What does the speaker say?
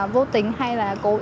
vô tình hay là cố ý